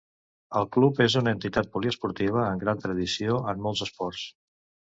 El club és una entitat poliesportiva amb gran tradició en molts esports.